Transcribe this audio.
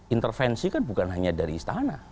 intervensi kan bukan hanya dari istana